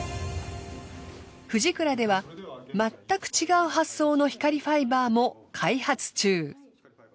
フジクラではまったく違う発想の光ファイバーも開発中。